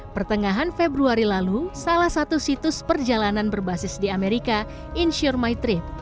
pertengahan februari lalu salah satu situs perjalanan berbasis di amerika insure my trip